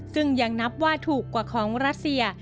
ซึ่งยังนับว่าถูกกว่าของรัสเซีย